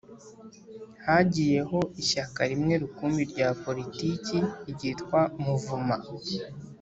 Hagiyeho ishyaka rimwe rukumbi rya poritiki ryitwa Muvoma